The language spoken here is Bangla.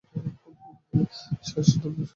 ফলের শাঁস হলুদাভ।